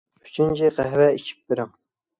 ئۈچىنچى: قەھۋە ئىچىپ بېرىڭ.